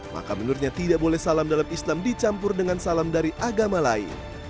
maka menurutnya tidak boleh salam dalam islam dicampur dengan salam dari agama lain